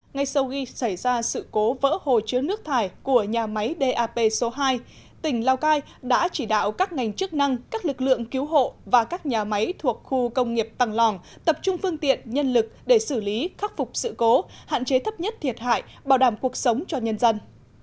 ngay sau khi xảy ra sự cố vỡ hồ chứa nước thải của nhà máy dap số hai tỉnh lào cai đã chỉ đạo các ngành chức năng các lực lượng cứu hộ và các nhà máy thuộc khu công nghiệp tăng lòng tập trung phương tiện nhân lực để xử lý khắc phục sự cố hạn chế thấp nhất thiệt hại bảo đảm cuộc sống cho nhân dân